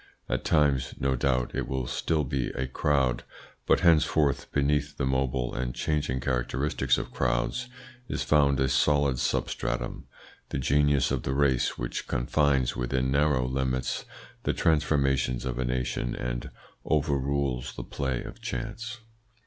At times no doubt it will still be a crowd, but henceforth, beneath the mobile and changing characteristics of crowds, is found a solid substratum, the genius of the race which confines within narrow limits the transformations of a nation and overrules the play of chance.